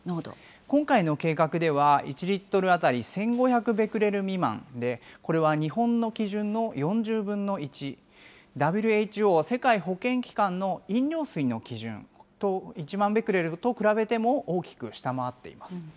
今回の計画では、１リットル当たり１５００ベクレル未満で、これは日本の基準の４０分の１、ＷＨＯ・世界保健機関の飲料水の基準と、１万ベクレルと比べても大きく下回っています。